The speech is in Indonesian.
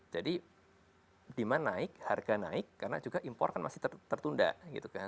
jadi demand naik harga naik karena juga impor kan masih tertunda gitu kan